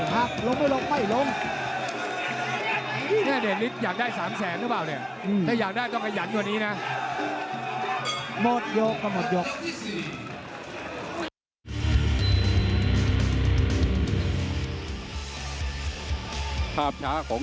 หักลงไม่ลงไม่ลง